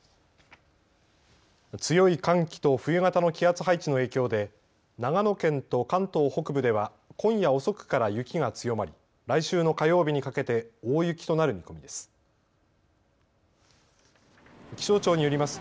強い寒気と冬型の気圧配置の影響で長野県と関東北部では今夜遅くから雪が強まり来週の火曜日にかけて大雪となる見込みです。